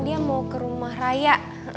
dia mau ke rumah raya